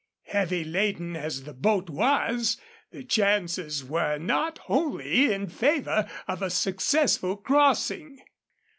Heavily laden as the boat was, the chances were not wholly in favor of a successful crossing.